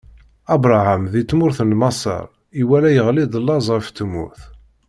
Abṛaham di tmurt n Maṣer iwala iɣli-d laẓ ɣef tmurt.